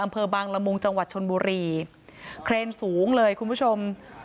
อำเภอบางละมุงจังหวัดชนบุรีเครนสูงเลยคุณผู้ชม